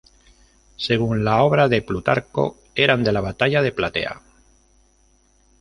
Según la obra de Plutarco, eran de la batalla de Platea.